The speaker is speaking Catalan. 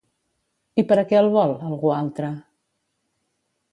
I per a què el vol, algú altre?